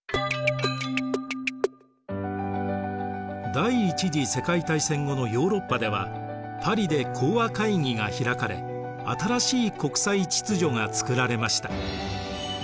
第一次世界大戦後のヨーロッパではパリで講和会議が開かれ新しい国際秩序が作られました。